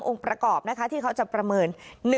๓องค์ประกอบที่เขาจะประเมิน